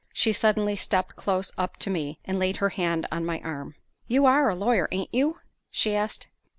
She suddenly stepped close up to me, and laid her hand on my arm. "You are a lawyer, ain't you?" she asked.